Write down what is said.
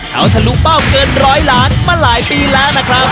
เขาทะลุเป้าเกินร้อยล้านมาหลายปีแล้วนะครับ